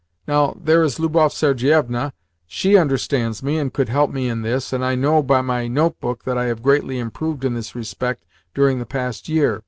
Now, there is Lubov Sergievna; SHE understands me, and could help me in this, and I know by my notebook that I have greatly improved in this respect during the past year.